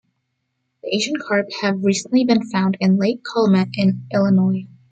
The Asian carp have recently been found in Lake Calumet in Illinois.